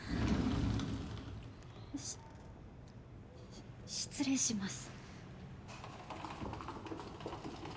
し失礼します。